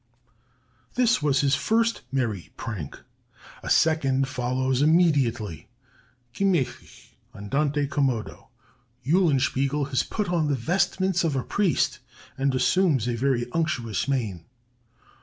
"This was his first merry prank; a second follows immediately; Gemächlich [Andante commodo]. Eulenspiegel has put on the vestments of a priest, and assumes a very unctuous mien.